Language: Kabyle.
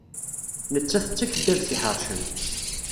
Nettat d takeddabt iḥeṛcen.